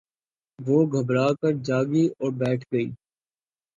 وہ گھبرا کر جاگی اور بیٹھ گئی